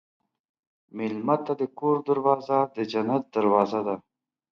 مېلمه ته د کور دروازه د جنت دروازه ده.